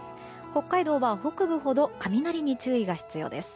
北海道は北部ほど雷に注意が必要です。